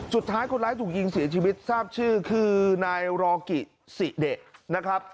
สุดท้ายคนร้ายถูกยิงเสียชีวิตทราบชื่อคือนายรอกิสิเดะนะครับ